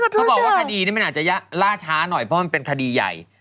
เขาบอกว่าคดีนี้มันอาจจะล่าช้าหน่อยเพราะมันเป็นคดีใหญ่